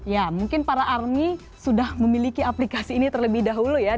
ya mungkin para army sudah memiliki aplikasi ini terlebih dahulu ya